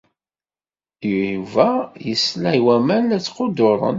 Yuba yesla i waman la ttqudduren.